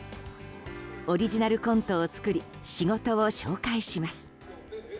オリジナルコントを作り仕事を紹介します。